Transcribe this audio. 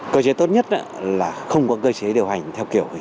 cơ chế tốt nhất là không có cơ chế điều hành theo kiểu